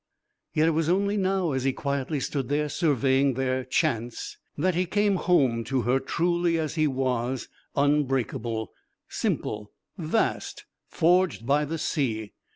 Yet it was only now, as he quietly stood there surveying their "chance," that he came home to her truly as he was, unbreakable; simple, vast, forged by the sea.